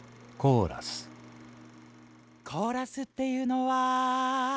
「コーラスっていうのは」